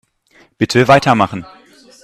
Bitte weitermachen.